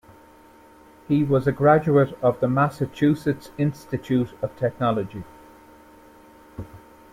He was a graduate of the Massachusetts Institute of Technology.